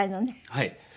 はい。